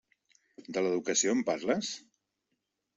De l'educació em parles?